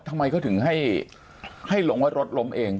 ทำไมเค้าถึงให้ลงบันรดลมเอง